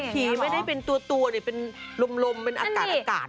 ผีไม่ได้เป็นตัวหรือเป็นลมเป็นอากาศเลย